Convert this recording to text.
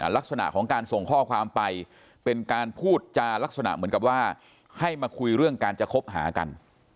ลักษณะของการส่งข้อความไปเป็นการพูดจารักษณะเหมือนกับว่าให้มาคุยเรื่องการจะคบหากัน